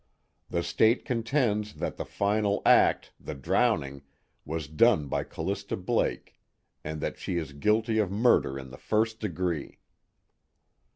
The State contends that the final act, the drowning, was done by Callista Blake, and that she is guilty of murder in the first degree."